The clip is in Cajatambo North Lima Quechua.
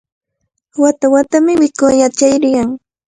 Wata-watami wikuñata chariyan.